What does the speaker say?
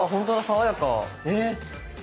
爽やか。